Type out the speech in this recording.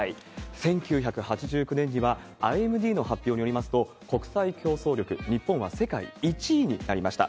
１９８９年には、ＩＭＤの発表によりますと、国際競争力、日本は世界１位になりました。